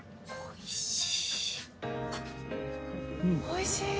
おいしい。